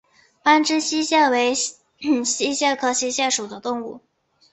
弯肢溪蟹为溪蟹科溪蟹属的动物。